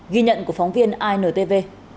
ghi nhận của phóng viên intv